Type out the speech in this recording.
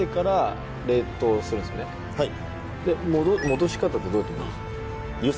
はいで戻し方ってどうやって戻すんですか？